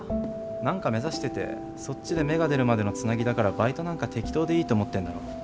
何か目指しててそっちで芽が出るまでのつなぎだからバイトなんか適当でいいと思ってるんだろ。